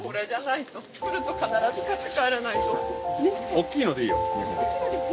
大きいのでいいよ２本。